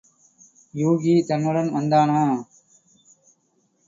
யூகி தன்னுடன் வந்தானா?